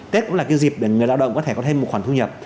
tết cũng là cái dịp để người lao động có thể có thêm một khoản thu nhập